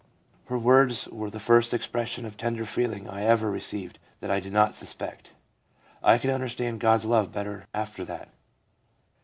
Her words were the first expression of tender feeling I ever received that I did not suspect. I could understand God's love better after that.'